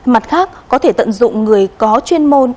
mặt khác có thể tận dụng người có chuyên môn